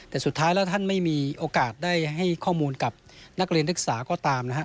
แต่สุดท้ายแล้วท่านไม่มีโอกาสได้ให้ข้อมูลกับนักเรียนนักศึกษาก็ตามนะฮะ